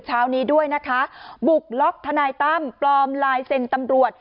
เช้านี้ด้วยนะคะบุกล็อกทนายตั้มปลอมลายเซ็นต์ตำรวจ